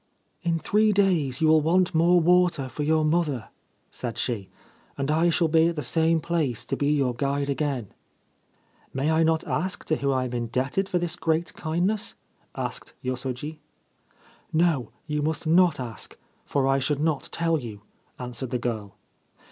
c In three days you will want more water for your mother/ said she, * and I shall be at the same place to be your guide again/ * May I not ask to whom I am indebted for this great kindness ?' asked Yosoji. ' No : you must not ask, for I should not tell you/ answered the girl.